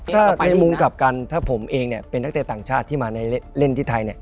ถ้าในมุมกลับกันถ้าผมเองเป็นนักเตะต่างชาติที่มาเล่นที่ไทย